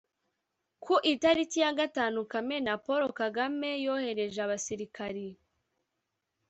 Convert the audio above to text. ku itariki ya gatanu kamena paul kagame yohereje abasirikari